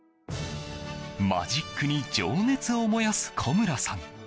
マジックに情熱を燃やす古村さん。